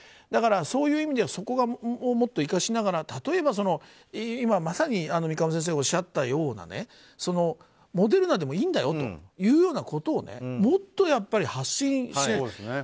だから、そういう意味でそこをもっと生かしながら例えば、今まさに三鴨先生がおっしゃったようにモデルナでもいいんだよということをもっと発信しようと。